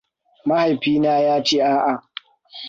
Mahaifina ya ce a'a.